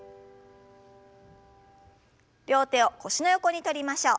両手を腰の横に取りましょう。